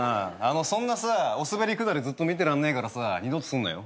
そんなさおスベりくだりずっと見てらんねえからさ二度とすんなよ。